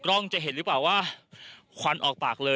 โอ้โห